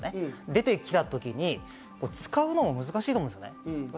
出てきたときに使うのも難しいと思うんです。